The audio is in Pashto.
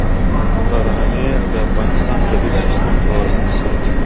باران د افغانستان د طبعي سیسټم توازن ساتي.